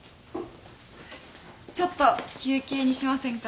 ちょっと休憩にしませんか。